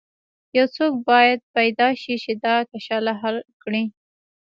یو څوک باید پیدا شي چې دا کشاله حل کړي.